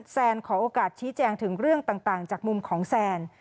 แซนขอโอกาสชี้แจงถึงเรื่องต่างจากมุมของแซน